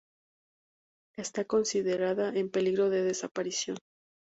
Está considerada en peligro de desaparición.